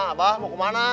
apa mau kemana